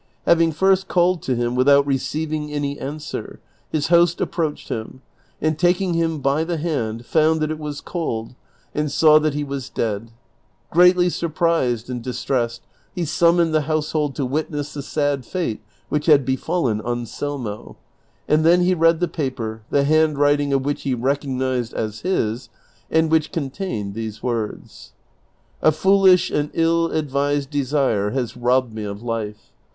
Having first called to him without receiving any answer, his host aj^proached him, and taking him by the hand, found that it was cold, and saw that he was dead. Greatly sui prised and distressed he summoned the household to witness the sad fate which had befallen Anselmo ; and then he read the paper, the hand writing of which he recognized as his, and which contained these words :" A foolish and ill advised desire has robbed me of life.